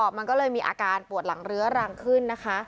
มันลงก็เลยมีอาการปวดหลังเหลือรังขึ้น